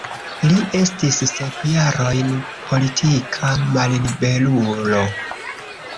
Li estis sep jarojn politika malliberulo.